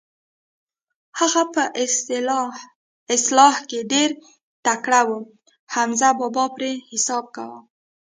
هغه په اصلاح کې ډېر تکړه و، حمزه بابا پرې حساب کاوه.